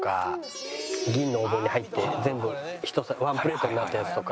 銀のお盆に入って全部ひと皿ワンプレートになったやつとか。